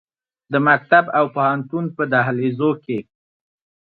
د مکتب او پوهنتون په دهلیزو کې